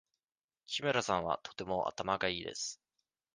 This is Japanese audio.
木村さんはとても頭がいいです。